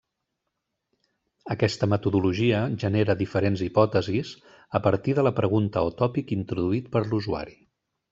Aquesta metodologia genera diferents hipòtesis a partir de la pregunta o tòpic introduït per l'usuari.